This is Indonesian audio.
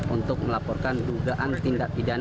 untuk melaporkan dugaan tindak pidana